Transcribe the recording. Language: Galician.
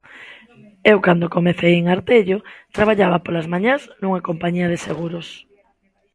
Eu cando comecei en Artello traballaba polas mañás nunha compañía de seguros.